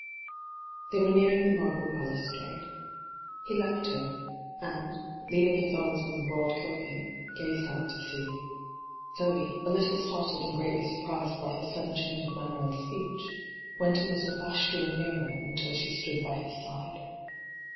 They were nearing the marble balustrade. He left her, and, leaning his arms on the broad coping, gazed out to sea. Zoe, a little startled and greatly surprised by his sudden change of manner and speech, went a little bashfully nearer until she stood by bis side.